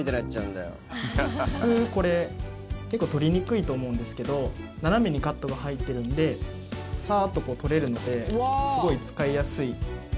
普通、これ結構取りにくいと思うんですけど斜めにカットが入っているのでサーッと取れるのですごい使いやすい。